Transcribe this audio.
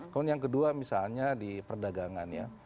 kemudian yang kedua misalnya di perdagangan ya